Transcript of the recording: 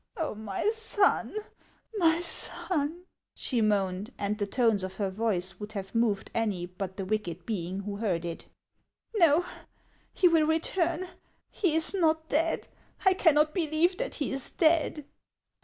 " Oh, my son ! my son !" she moaned ; and the tones of her voice would have moved any but the wicked being who heard it. " No, he will return ; he is not dead ; I cannot believe that he is dead."